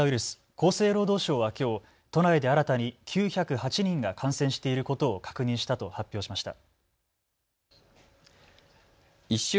厚生労働省はきょう都内で新たに９０８人が感染していることを確認したと発表しました。